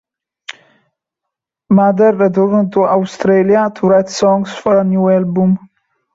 Mather returned to Australia to write songs for a new album.